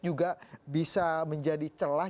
juga bisa menjadi celah